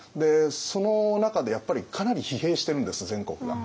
その中でやっぱりかなり疲弊してるんです全国が。